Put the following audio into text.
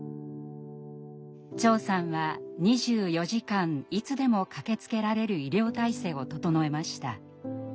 長さんは２４時間いつでも駆けつけられる医療体制を整えました。